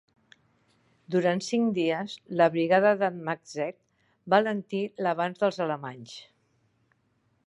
Durant conc dies la brigada de"n Maczek va alentir l"avanç dels alemanys.